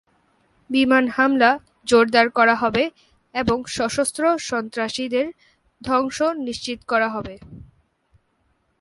বিমান হামলা জোরদার করা হবে এবং সশস্ত্র সন্ত্রাসীদের ধ্বংস নিশ্চিত করা হবে।